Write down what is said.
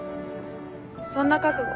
そんな覚悟